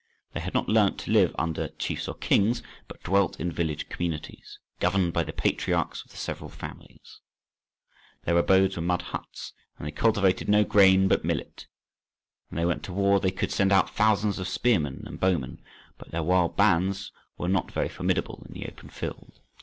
They had not learnt to live under kings or chiefs, but dwelt in village communities, governed by the patriarchs of the several families. Their abodes were mud huts, and they cultivated no grain but millet. When they went to war they could send out thousands of spearmen and bowmen, but their wild bands were not very formidable in the open field.